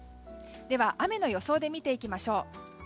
では、雨の予想で見ていきましょう。